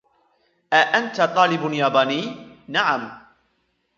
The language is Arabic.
أأنت طالب ياباني؟ "نعم."